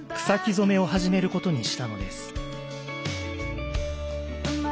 染めを始めることにしたのです。